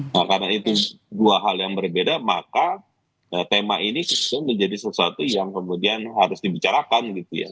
nah karena itu dua hal yang berbeda maka tema ini menjadi sesuatu yang kemudian harus dibicarakan gitu ya